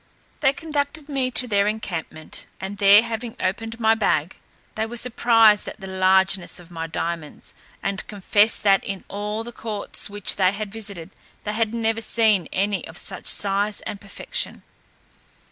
They conducted me to their encampment, and there having opened my bag, they were surprised at the largeness of my diamonds, and confessed that in all the courts which they had visited they had never seen any of such size and perfection.